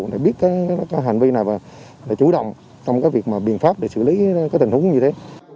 để biết cái hành vi này và chủ động trong cái việc mà biện pháp để xử lý cái tình huống như thế